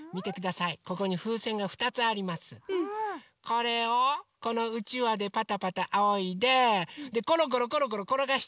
これをこのうちわでパタパタあおいでころころころころころがしていくのね。